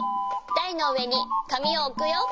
だいのうえにかみをおくよ。